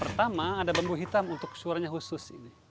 pertama ada bambu hitam untuk suaranya khusus